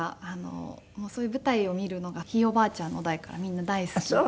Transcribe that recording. そういう舞台を見るのがひいおばあちゃんの代からみんな大好きで。